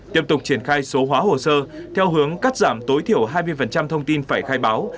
tiếp tục triển khai số hóa hồ sơ theo hướng cắt giảm tối thiểu hai mươi thông tin phải khai báo